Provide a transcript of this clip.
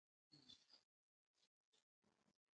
Máàtò mâŋɡɔ́ mátéyà ndí né máǃámɛ̀.